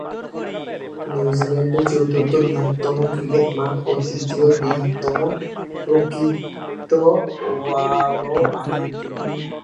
নিউজিল্যান্ডের চতুর্থ বৃহত্তম ক্রিকেট মাঠ ও তৃতীয় বৃহত্তম প্রকৃত ওভাল আকৃতির।